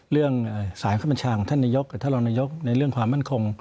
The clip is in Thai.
เรื่องสายพระบัญชาของท่านนายกกับท่านรองนายกในเรื่องความมั่นคง